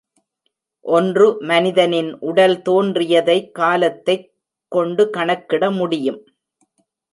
ஒன்று மனிதனின் உடல் தோன்றியதை காலத்தைக் கொண்டு கணக்கிட முடியும்.